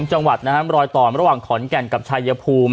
จังหวัดนะครับรอยต่อระหว่างขอนแก่นกับชายภูมิ